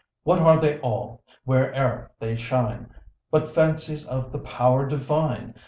What are they all, where'er they shine, But Fancies of the Power Divine!